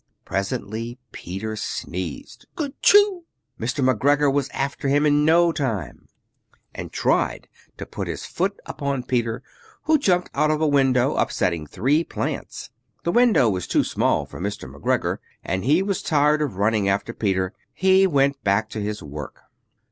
Presently Peter sneezed 'Kertyschoo!' Mr. McGregor was after him in no time. And tried to put his foot upon Peter, who jumped out of a window, upsetting three plants. The window was too small for Mr. McGregor, and he was tired of running after Peter. He went back to his work.